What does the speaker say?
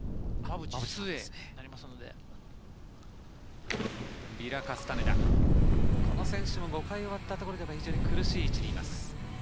ビラ・カスタネダ、この選手も５回終わったところで苦しい位置にいます。